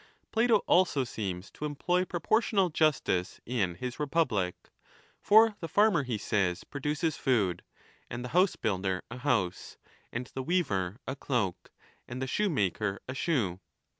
Plato also seems to employ proportional justice in his Republic} For the farmer, he says, produces food, and the housebuilder a house, aiid the weaver a cloak, and the shoemaker a shoe.